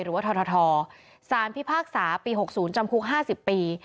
หรือว่าททสารพิพากษาปี๖๐จำคุก๕๐ปี